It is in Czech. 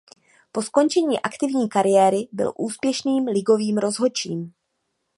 Po skončení aktivní kariéry byl úspěšným ligovým rozhodčím.